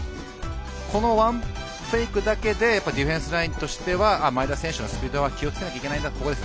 このワンフェイクだけでディフェンスは前田選手のスピードは気をつけなければいけない。